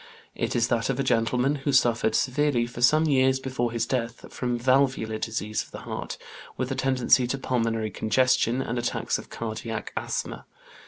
It is that of a gentleman who suffered severely for some years before his death from valvular disease of the heart, with a tendency to pulmonary congestion, and attacks of "cardiac asthma."